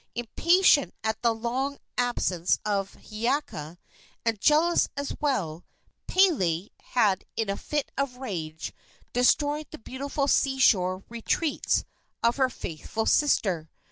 Impatient at the long absence of Hiiaka, and jealous as well, Pele had in a fit of rage destroyed the beautiful sea shore retreats of her faithful sister.